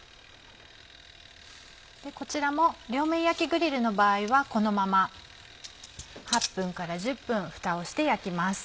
こちらも両面焼きグリルの場合はこのまま８分から１０分フタをして焼きます。